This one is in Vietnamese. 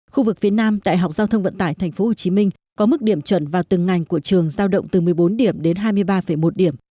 khu vực phía nam đại học giao thông vận tải tp hcm có mức điểm chuẩn vào từng ngành của trường giao động từ một mươi bốn điểm đến hai mươi ba một điểm